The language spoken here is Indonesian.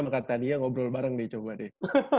sama katania ngobrol bareng deh coba deh